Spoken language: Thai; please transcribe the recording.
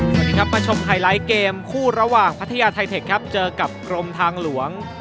สวัสดีครับมาชมไฮไลท์เกมคู่ระหว่างพัทยาไทเทคครับเจอกับกรมทางหลวง